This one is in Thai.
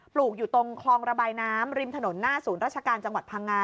ลูกอยู่ตรงคลองระบายน้ำริมถนนหน้าศูนย์ราชการจังหวัดพังงา